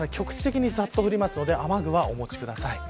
局地的にざっと降りますので雨具はお持ちください。